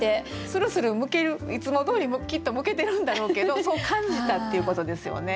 「するする剥ける」いつもどおりきっと剥けてるんだろうけどそう感じたっていうことですよね。